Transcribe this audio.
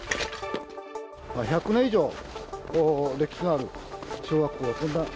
１００年以上、歴史のある小学校。